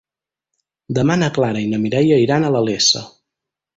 Demà na Clara i na Mireia iran a la Iessa.